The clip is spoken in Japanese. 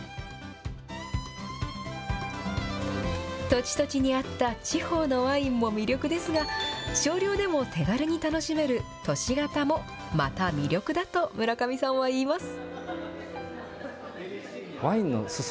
土地土地にあった地方のワインも魅力ですが、少量でも手軽に楽しめる都市型もまた魅力だと村上さんは言います。